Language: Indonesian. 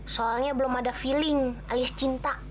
soalnya belum ada feeling alias cinta